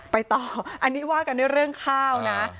ไปต่ออันนี้ว่ากันด้วยเรื่องข้าวนะ